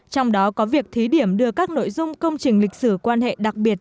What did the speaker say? trong đó có việc thí điểm đưa các nội dung công trình lịch sử quan hệ đặc biệt